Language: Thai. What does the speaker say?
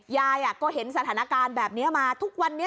ยายก็เห็นสถานการณ์แบบนี้มาทุกวันนี้